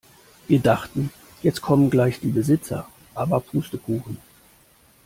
Wir dachten, jetzt kommen gleich die Besitzer, aber Pustekuchen.